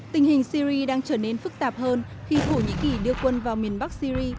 tình hình syri đang trở nên phức tạp hơn khi thổ nhĩ kỳ đưa quân vào miền bắc syri